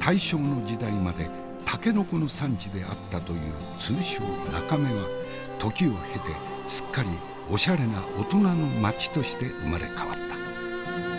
大正の時代までたけのこの産地であったという通称中目は時を経てすっかりおしゃれな大人の街として生まれ変わった。